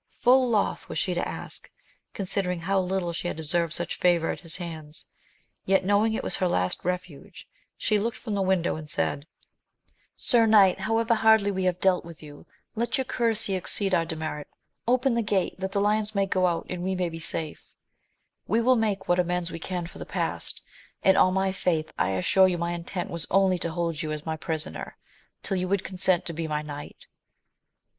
Full loth was she to ask him, considering how little she had de served such favour at his hands ; yet, knowing it was her last refuge, she looked from the window and said, Sir knight, however hardly we have dealt with you, let your courtesy exceed our demerit, open the gate ^h&t the lions may go ou\» asA ^^ tsms^ \i^ ^^. W^ AMADIS OF GAUL. 137 will make what amends we can for the pastj and on my faith I assure you my intent was only to hold you as my prisoner, till you would consent to be my knight.